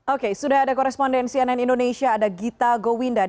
oke sudah ada korespondensi ann indonesia ada gita gowinda